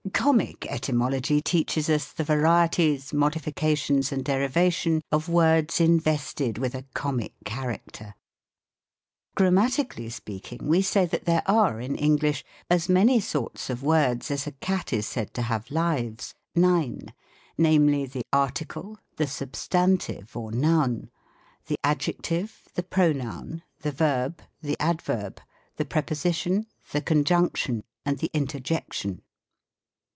Comic Etymology teaches us the varieties, modifica tions, and derivation, of words invested with a comic character. Grammatically speaking, we say that there are, in English, as many sorts of words as a cat is said to have lives, nine ; namely, the Article, the Substantive or Noun, the Adjective, the Pronoun, the Verb, the Ad verb, the Preposition, the Conjunction, and the Inter jection.